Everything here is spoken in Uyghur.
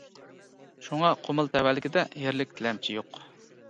شۇڭا قۇمۇل تەۋەلىكىدە يەرلىك تىلەمچى يوق.